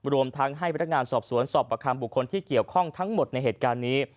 รวมทั้งให้พนักงานสอบสวนสอบประคำบุคคลที่เกี่ยวข้องทั้งหมดในเหตุการณ์นี้